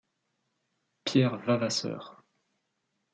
Pierre Vavasseur.